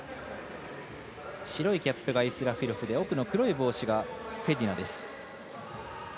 白いキャップがイスラフィロフで奥の黒い帽子がフェディナです。